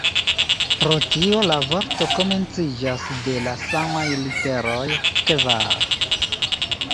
Pro tio la vorto komenciĝas de la samaj literoj "kvar".